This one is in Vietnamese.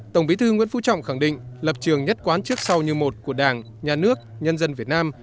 tổng bí thư nguyễn phú trọng khẳng định lập trường nhất quán trước sau như một của đảng nhà nước nhân dân việt nam